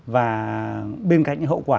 và bên cạnh hậu quả